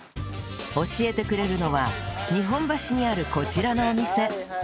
教えてくれるのは日本橋にあるこちらのお店